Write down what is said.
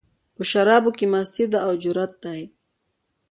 په شرابو کې مستي ده، او جرت دی